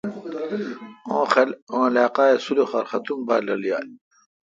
اوں علاقہ سلخار ختم بال رل یال۔